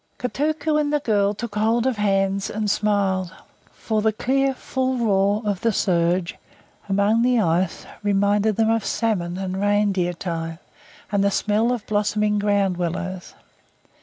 Kotuko and the girl took hold of hands and smiled, for the clear, full roar of the surge among the ice reminded them of salmon and reindeer time and the smell of blossoming ground willows.